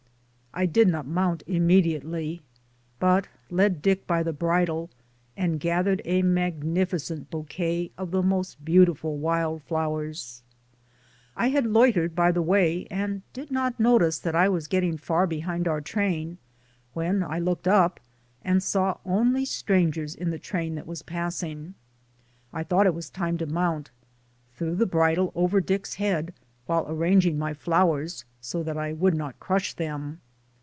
I did not mount immediately, but led Dick by the bridle, and gathered a mag nificent bouquet of the most beautiful wild flowers. I had loitered by the way and did not notice that I was getting far behind our train, when I looked up and saw only stran 128 DAYS ON THE ROAD. gers in the train that was passing. I thought it was time to mount, threw the bridle over Dick's head, while arranging my flowers, so that I would not crush them.